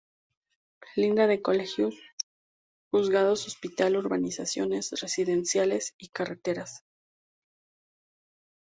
Linda con Colegios, Juzgados, Hospital, Urbanizaciones Residenciales y Carreteras.